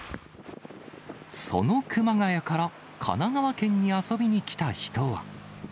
その熊谷から神奈川県に遊びに来た人は。